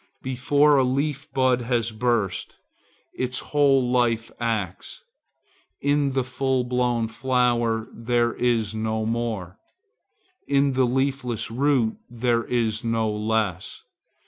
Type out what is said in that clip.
Before a leaf bud has burst, its whole life acts; in the full blown flower there is no more; in the leafless root there is no less.